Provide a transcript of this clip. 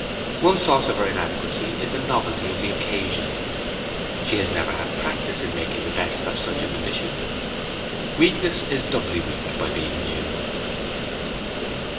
One source of her inadequacy is the novelty of the occasion. She has never had practice in making the best of such a condition. Weakness is doubly weak by being new.